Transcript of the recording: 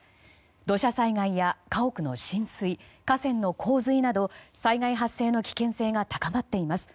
土砂災害や家屋の浸水河川の洪水など災害発生の危険性が高まっています。